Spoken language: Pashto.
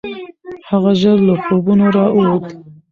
هغه ژر له خوبونو راووت.